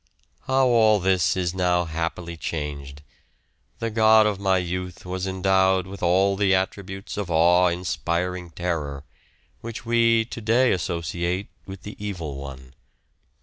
How all this is now happily changed! The God of my youth was endowed with all the attributes of awe inspiring terror, which we to day associate with the evil one.